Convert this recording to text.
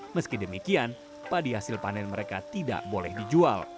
meski demikian padi hasil panen mereka tidak boleh dijual